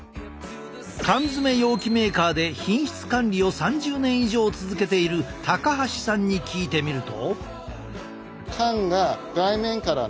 缶詰容器メーカーで品質管理を３０年以上続けている高橋さんに聞いてみると。